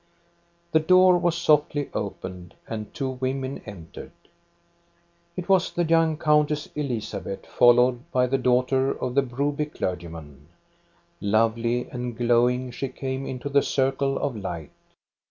The door was softly opened and two women en tered. It was the young Countess Elizabeth followed by the daughter of the Broby clergyman. Lovely and glowing, she came into the circle of light.